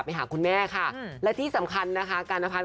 ไปหาคุณแม่ค่ะอืมและที่สำคัญนะฮะการณพัติ